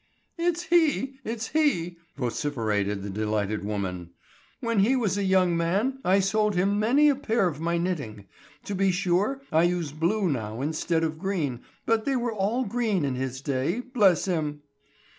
"It's he, it's he!" vociferated the delighted woman. "When he was a young man I sold him many a pair of my knitting. To be sure I use blue now instead of green, but they were all green in his day, bless him!"